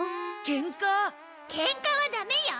けんかはダメよ。